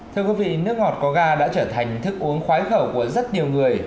thưa quý vị nước ngọt có ga đã trở thành thức uống khoái khẩu của rất nhiều người